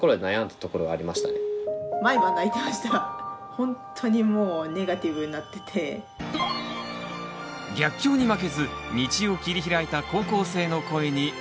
本当にもう逆境に負けず道を切り開いた高校生の声に耳を傾ける。